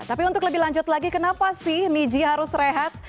tapi untuk lebih lanjut lagi kenapa sih niji harus rehat